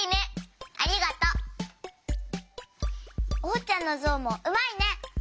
おうちゃんのゾウもうまいね！